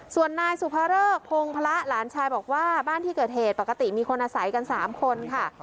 ส่วนนายสุภเริกพงพระหลานชายบอกว่าบ้านที่เกิดเหตุปกติมีคนอาศัยกัน๓คนค่ะ